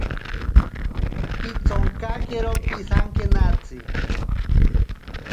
Pitsonkakero pisankenatsi.